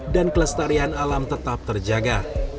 dan kelestarian alam tetap terjaga